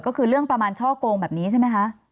ก็คือเรื่องประมาณช่อกงแบบนี้ใช่ไหมคะ